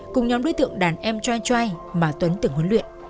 cùng nhóm đối tượng đàn em choi trai mà tuấn từng huấn luyện